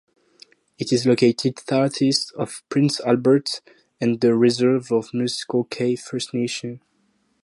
It is located southeast of Prince Albert and the reserve of Muskoday First Nation.